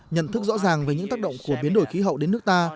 nhận thức rõ ràng về những tác động của biến đổi khí hậu đến nước ta